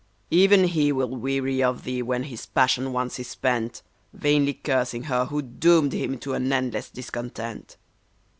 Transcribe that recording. *'' Even he will weary of thee when his passion once is spent. Vainly cursing her who doomed hirn to an endless discon tent